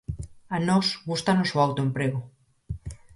A nós gústanos o autoemprego.